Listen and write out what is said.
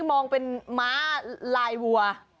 มองเป็นม้าลายวัว